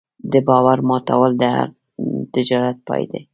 د باور ماتول د هر تجارت پای دی.